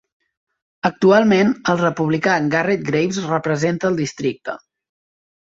Actualment, el republicà Garret Graves representa al districte.